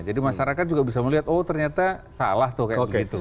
jadi masyarakat juga bisa melihat oh ternyata salah tuh kayak begitu